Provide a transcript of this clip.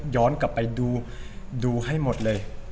ย้อนกลับไปดูให้หมดเลย